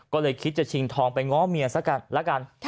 ก็เลยคิดจะชิงทองไปง้อเมียซะกันแล้วกัน